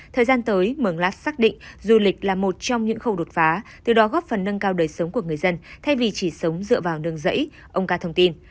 thời gian tới mường lát xác định du lịch là một trong những khâu đột phá từ đó góp phần nâng cao đời sống của người dân thay vì chỉ sống dựa vào nương rẫy ông ca thông tin